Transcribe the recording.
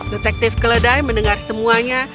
detektif kledai mendengar semuanya